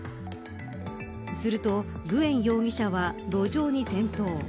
するとグエン容疑者は路上に転倒。